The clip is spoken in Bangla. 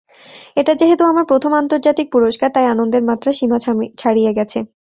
এটা যেহেতু আমার প্রথম আন্তর্জাতিক পুরস্কার, তাই আনন্দের মাত্রা সীমা ছাড়িয়ে গেছে।